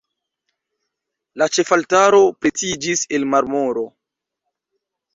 La ĉefaltaro pretiĝis el marmoro.